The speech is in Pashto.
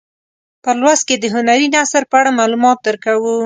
په لوست کې د هنري نثر په اړه معلومات درکوو.